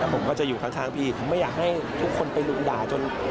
ผมก็จะอยู่ข้างพี่ผมไม่อยากให้ทุกคนไปลุมด่าจน